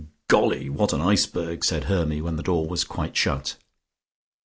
"Golly, what an iceberg!" said Hermy when the door was quite shut.